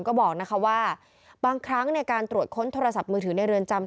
ก็บอกนะคะว่าบางครั้งในการตรวจค้นโทรศัพท์มือถือในเรือนจำ